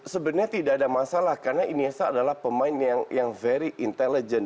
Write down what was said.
sebenarnya tidak ada masalah karena iniesta adalah pemain yang very intelligence